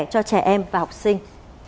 cho trẻ em và học sinh